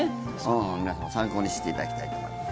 皆さんも参考にしていただきたいと思います。